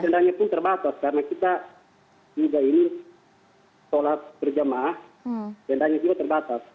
tendanya pun terbatas karena kita juga ini tolak kerja maaf tendanya juga terbatas